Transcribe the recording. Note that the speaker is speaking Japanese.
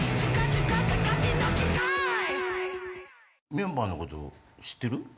メンバーのこと知ってる？